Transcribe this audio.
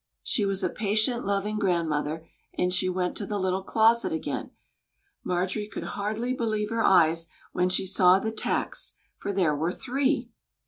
She was a patient, loving grandmother, and she went to the little closet again. Marjorie could hardly believe her eyes when she saw the tacks, for there were three!